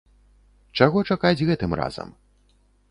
Чаго чакаць гэтым разам?